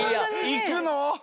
行くの？